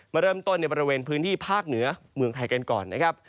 มาเริ่มต้นในบริเวณพื้นที่ภาคเหนือเมืองไทยกันก่อนนะครับ